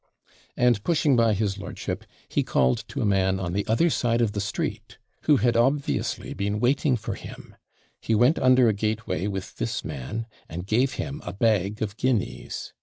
And, pushing by his lordship, he called to a man on the other side of the street, who had obviously been waiting for him; he went under a gateway with this man, and gave him a bag of guineas.